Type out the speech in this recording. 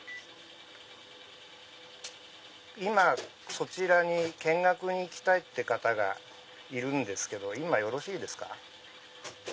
今そちらに見学に行きたい方がいるんですけど今よろしいですか。